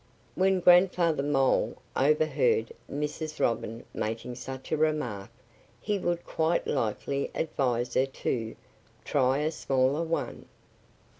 When Grandfather Mole overheard Mrs. Robin making such a remark he would quite likely advise her to "try a smaller one."